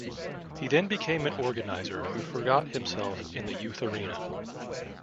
He then became an organizer who forgot himself in the youth arena.